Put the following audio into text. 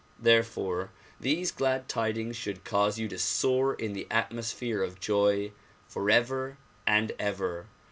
There fore these glad tidings should cause you to soar in the atmosphere of joy forever and ever.